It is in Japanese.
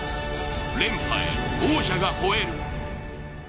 連覇へ、王者がほえる。